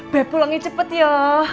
babe pulangin cepet ya